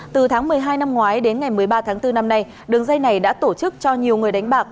từ tháng một mươi hai năm ngoái đến ngày một mươi ba tháng bốn năm nay đường dây này đã tổ chức cho nhiều người đánh bạc